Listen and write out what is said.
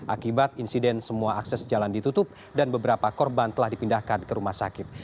akibat insiden semua akses jalan ditutup dan beberapa korban telah dipindahkan ke rumah sakit